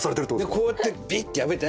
こうやってビッて破いて